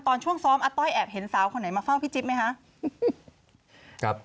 ตอนช่วงซ้อมอาต้อยแอบเห็นสาวคนไหนมาเฝ้าพี่จิ๊บไหมคะ